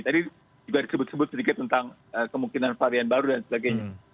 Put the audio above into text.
tadi juga disebut sebut sedikit tentang kemungkinan varian baru dan sebagainya